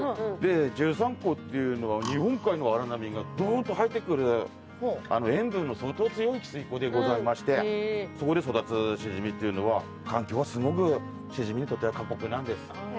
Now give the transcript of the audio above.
十三湖っていうのは日本海の荒波がドーンと入ってくる塩分の相当強い汽水湖でそこで育つシジミっていうのは環境はすごくシジミにとっては過酷なんです。